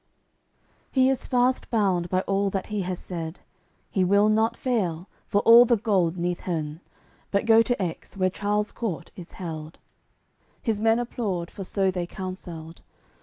CXCIII He is fast bound by all that he has said. He will not fail, for all the gold neath heav'n, But go to Aix, where Charles court is held: His men applaud, for so they counselled.